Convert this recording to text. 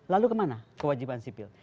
lalu kemana kewajiban sipil